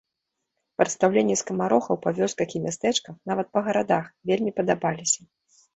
Прадстаўленні скамарохаў па вёсках і мястэчках, нават па гарадах, вельмі падабаліся.